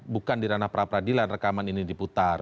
bukan di ranah pra peradilan rekaman ini diputar